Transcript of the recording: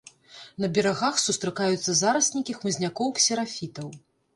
На берагах сустракаюцца зараснікі хмызнякоў-ксерафітаў.